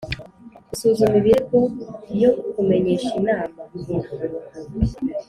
gusuzuma ibirego yo kumenyesha Inama